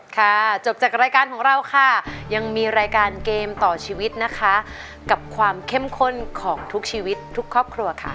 ค่ะจบจากรายการของเราค่ะยังมีรายการเกมต่อชีวิตนะคะกับความเข้มข้นของทุกชีวิตทุกครอบครัวค่ะ